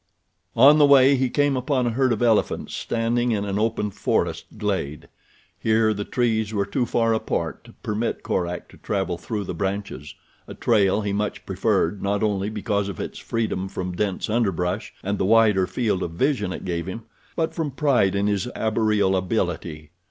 On the way he came upon a herd of elephants standing in an open forest glade. Here the trees were too far apart to permit Korak to travel through the branches—a trail he much preferred not only because of its freedom from dense underbrush and the wider field of vision it gave him but from pride in his arboreal ability.